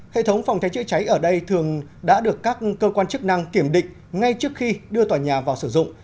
hệ thống phòng cháy chữa cháy ở đây thường đã được các cơ quan chức năng kiểm định ngay trước khi đưa tòa nhà vào sử dụng